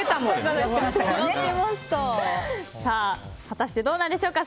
果たしてどうでしょうか。